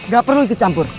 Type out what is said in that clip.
gak perlu dicampur